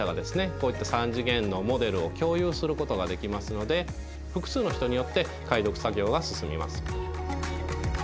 こういった３次元のモデルを共有することができますので複数の人によって解読作業が進みます。